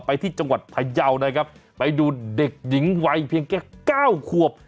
ไปที่จังหวัดพยาวนะครับไปดูเด็กหญิงวัยเพียงแค่เก้าขวบ